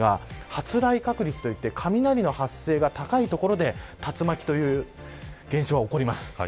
発雷確率といって雷の発生が高い所で竜巻という現象が起こります。